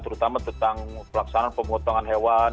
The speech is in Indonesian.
terutama tentang pelaksanaan pemotongan hewan